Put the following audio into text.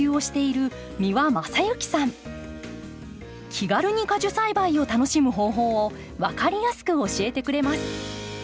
気軽に果樹栽培を楽しむ方法を分かりやすく教えてくれます。